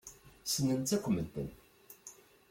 Ssnen-tt akk medden.